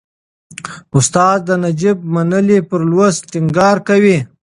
استاد نجيب منلی پر لوست ټینګار کوي.